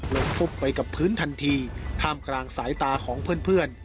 ฟุบไปกับพื้นทันทีท่ามกลางสายตาของเพื่อน